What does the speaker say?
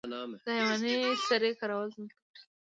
د حیواني سرې کارول ځمکې ته ګټه لري